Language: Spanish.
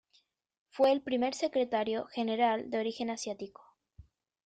Fue el primer secretario general de origen asiático.